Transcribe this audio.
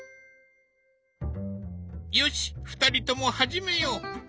よし２人とも始めよう。